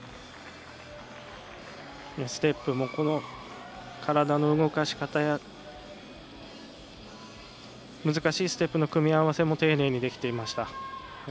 ステップも体の動かし方や難しいステップの組み合わせも丁寧にできていました。